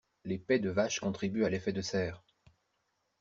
Les pets de vaches contribuent à l'effet de serre.